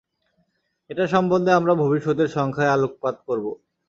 এটা সম্বন্ধে আমরা ভবিষ্যতের সংখ্যায় আলোকপাত করব।